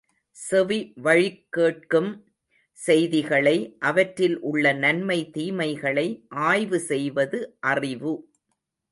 செவி வழிக்கேட்கும் செய்திகளை, அவற்றில் உள்ள நன்மை, தீமைகளை ஆய்வு செய்வது அறிவு.